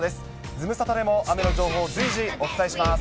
ズムサタでも雨の情報、随時お伝えします。